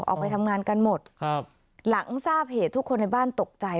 ออกไปทำงานกันหมดครับหลังทราบเหตุทุกคนในบ้านตกใจ